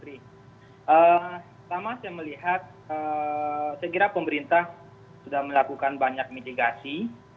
pertama saya melihat saya kira pemerintah sudah melakukan banyak mitigasi